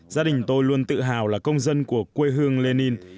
gia đình tôi luôn tự hào là công dân của quê hương lenin